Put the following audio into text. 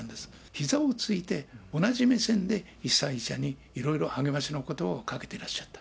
ひざをついて、同じ目線で被災者にいろいろ励ましのことばをかけていらっしゃった。